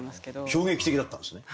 衝撃的だったんですね？